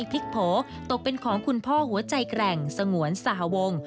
หน้าที่นี้ต้องบอกว่าไม่พลิกโผล่ตกเป็นของคุณพ่อหัวใจแกร่งสงวนสหวง